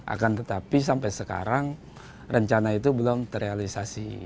akan tetapi sampai sekarang rencana itu belum terrealisasi